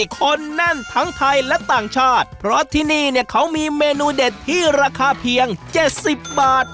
คนแน่นทั้งไทยและต่างชาติเพราะที่นี่เนี่ยเขามีเมนูเด็ดที่ราคาเพียง๗๐บาท